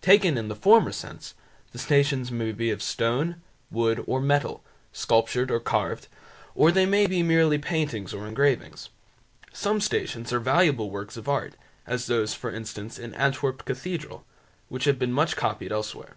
Taken in the former sense, the Stations may be of stone, wood, or metal, sculptured or carved, or they may be merely paintings or engravings. Some Stations are valuable works of art, as those, for instance, in Antwerp cathedral, which have been much copied elsewhere.